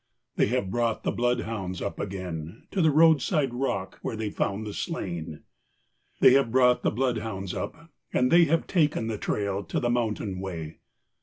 They have brought the bloodhounds up again To the roadside rock where they found the slain. They have brought the bloodhounds up, and they Have taken the trail to the mountain way.